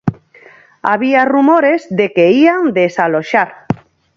Había rumores de que ían desaloxar.